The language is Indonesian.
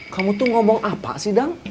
kamu tuh ngomong apa sih dang